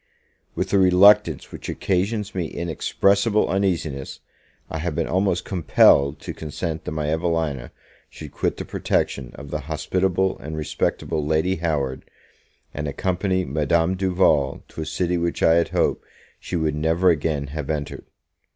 WITH a reluctance which occasions me inexpressible uneasiness, I have been almost compelled to consent that my Evelina should quit the protection of the hospitable and respectable Lady Howard, and accompany Madame Duval to a city which I had hoped she would never again have entered.